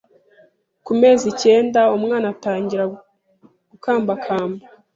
Ku mezi icyenda umwana atangira gukambakamba